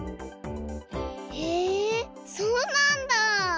へえそうなんだ。